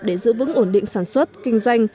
để giữ vững ổn định sản xuất kinh doanh